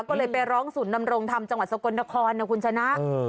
ก็เลยไปร้องศุลจ์๒๐๐๒นนจังหวัดซักรณคล์คุณชนะ